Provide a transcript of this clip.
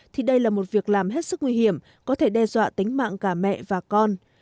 thì đây là một việc làm hết sức nguy hiểm có thể đe dọa tính mạng cả mẹ và con